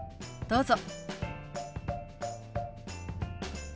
どうぞ。